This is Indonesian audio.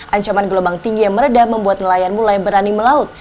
ancaman gelombang tinggi yang meredah membuat nelayan mulai berani melaut